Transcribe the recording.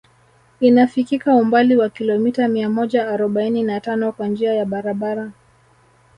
Inafikika umbali wa kilomita mia moja arobaini na tano kwa njia ya barabara